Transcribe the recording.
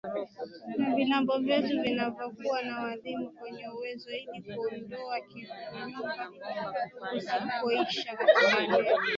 na vilabu vyetu vinakuwa na wadhamini wenye uwezo ili kuondoa kuyumba kusikoishaKatika eneo